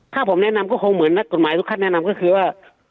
ถ้าผมแนะนำก็คงเหมือนกสมัยทุกคนแนะนำคือว่า